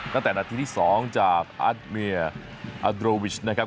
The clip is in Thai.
ตั้งแต่นาทีที่๒จากอัสเมียอัตโดรวิชนะครับ